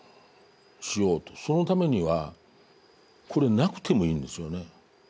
そのためにはこれ無くてもいいんですよね。